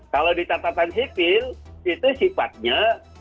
kalau di catatan sipil itu sifatnya